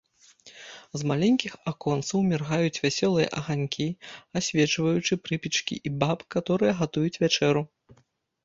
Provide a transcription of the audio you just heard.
З маленькіх аконцаў міргаюць вясёлыя аганькі, асвечваючы прыпечкі і баб, каторыя гатуюць вячэру.